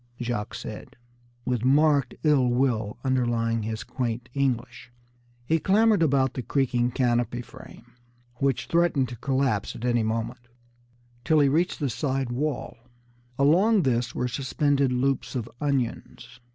Jacques said, with marked ill will underlying his quaint English. He clambered about the creaking canopy frame, which threatened to collapse at any moment, till he reached the side wall. Along this were suspended loops of onions.